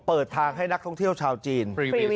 เปิดทางให้นักท่องเที่ยวชาวจีน